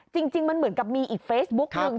จริงมันเหมือนกับมีอีกเฟซบุ๊กหนึ่ง